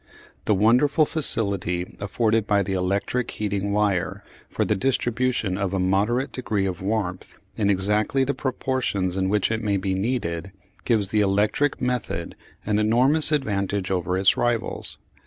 The wonderful facility afforded by the electric heating wire for the distribution of a moderate degree of warmth, in exactly the proportions in which it may be needed, gives the electric method an enormous advantage over its rivals.